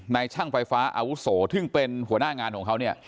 ช่างไฟฟ้าอาวุโสซึ่งเป็นหัวหน้างานของเขาเนี่ย